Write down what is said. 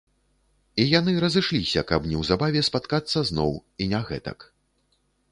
І яны разышліся, каб неўзабаве спаткацца зноў, і не гэтак.